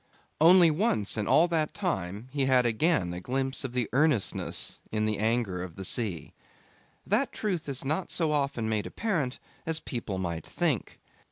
Only once in all that time he had again a glimpse of the earnestness in the anger of the sea. That truth is not so often made apparent as people might think.